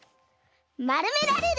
「まるめられる」。